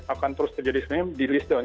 akan terus terjadi sebenarnya di list down